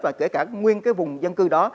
và kể cả nguyên cái vùng dân cư đó